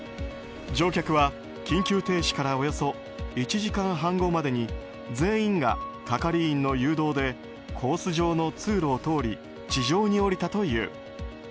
乗客は緊急停止からおよそ１時間半後までに全員が係員の誘導でコース上の通路を通り地上に降りたという。